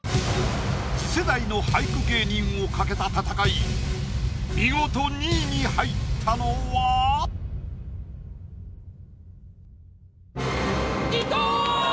次世代の俳句芸人を懸けた戦い見事２位に入ったのは⁉伊藤！